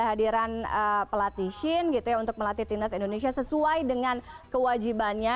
kok jangan ke bank ini bei kalau misalnya ayo siap atas p horror room itas ya